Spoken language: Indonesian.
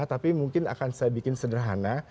tapi mungkin akan saya bikin sederhana